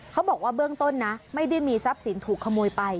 เขาบอกว่าเบื้องต้นนะไม่ได้มีทรัพย์สินถูกขโมยไป